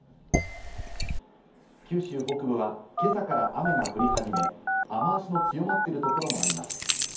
九州北部は今朝から雨が降り始め、雨脚の強まっているところもあります。